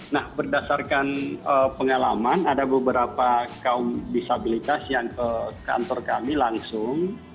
nah berdasarkan pengalaman ada beberapa kaum disabilitas yang ke kantor kami langsung